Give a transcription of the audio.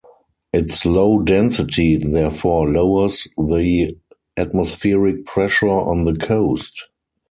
Its low density, therefore, lowers the atmospheric pressure on the coast.